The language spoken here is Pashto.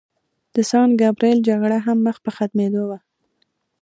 د سان ګبریل جګړه هم مخ په ختمېدو وه.